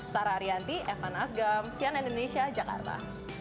sarah arianti evan asgam sian indonesia jakarta